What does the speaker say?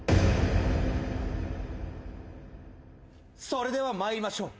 それでは参りましょう。